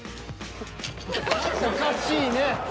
おかしいね。